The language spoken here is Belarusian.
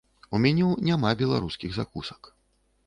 У меню няма беларускіх закусак.